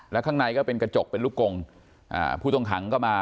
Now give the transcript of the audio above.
แล้วข้างในก็เป็นกระจกเป็นลูกกงอ่าผู้ต้องขังก็มา